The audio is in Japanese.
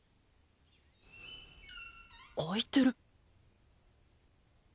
開いてる！